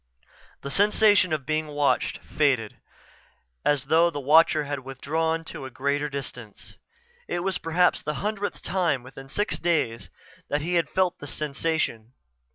The sensation of being watched faded, as though the watcher had withdrawn to a greater distance. It was perhaps the hundredth time within six days that he had felt the sensation.